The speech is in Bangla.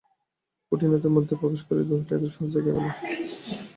খুঁটিনাটির মধ্যে প্রবেশ করিলে ব্যাপারটি এত সহজ দেখাইবে না।